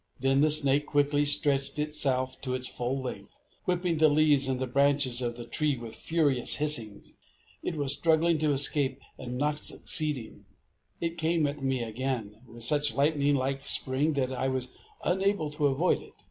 Then the snake quickly stretched itself to its full length, whipping the leaves and the branches of the tree with furious hissings. It was struggling to escape, and not succeeding, it came at me again with such a lightning like spring that I was unable to avoid it.